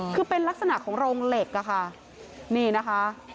คือเป็นลักษณะของโรงเหล็กอะค่ะนี่นะคะ